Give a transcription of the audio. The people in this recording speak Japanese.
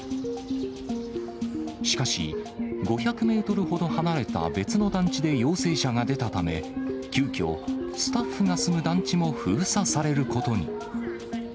しかし、５００メートルほど離れた別の団地で陽性者が出たため、急きょ、スタッフが住む団地も封鎖されることに。